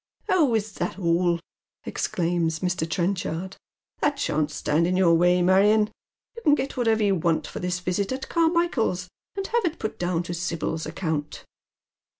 " Oh, is that all ?" exclaims Mr. Trenchard. " That shan't stand in your way, Marion. You can get whatever you want lor this visit at Carmichael's, and have it put down to Sibyl's account."